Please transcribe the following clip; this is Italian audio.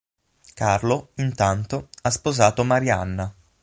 Carlo, intanto, ha sposato Marianna.